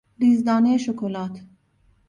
ریز دانهی شکلات